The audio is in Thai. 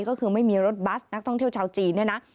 ก็คือไม่มีรถบัสนักท่องเที่ยวชาวจีนเนี่ยนะ